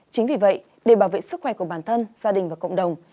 chính vì vậy để bảo vệ sức khỏe của bản thân gia đình và cộng đồng